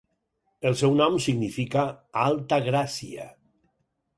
El seu nom significa "Alta Gràcia".